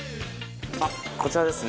あっこちらですね。